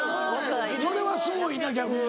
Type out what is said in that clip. それはすごいな逆に。